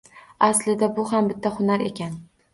Aslida, bu ham bitta hunar ekan.